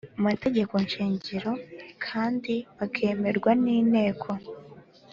Mategeko shingiro kandi bakemerwa n inteko